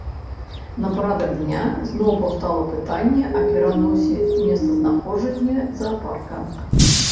На парадак дня зноў паўстала пытанне аб пераносе месцазнаходжання заапарка.